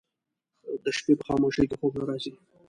د شپې په خاموشۍ کې خوب نه راځي